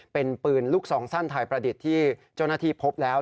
เป็นปืนลูกซองสั้นไทยประดิษฐ์ที่เจ้าหน้าที่พบแล้ว